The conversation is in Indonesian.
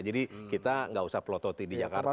jadi kita nggak usah pelototi di jakarta lah